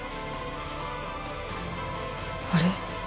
あれ？